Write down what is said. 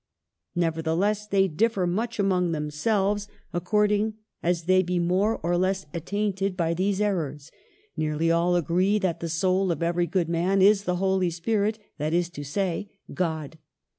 " Nevertheless, they differ much among themselves, according as they be more or less attainted by these DOWNFALL. 261 errors. Nearly all agree that the soiil of every good man is the Holy Spirit, that is to say, God.